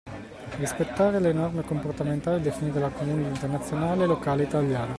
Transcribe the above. Rispettare le norme comportamentali definite dalla community Internazionale e locale Italiana.